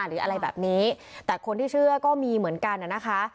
หรืออะไรแบบนี้แต่คนที่เชื่อก็มีเหมือนกันน่ะนะคะ